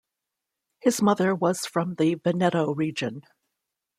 His mother was from the Veneto region.